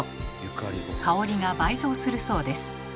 香りが倍増するそうです。